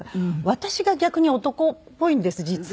私が逆に男っぽいんです実は。